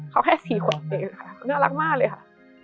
เขาแค่สี่คนเองน่ารักมากเลยค่ะ